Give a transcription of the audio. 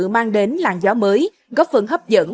mang đến làng gió mới góp phần hấp dẫn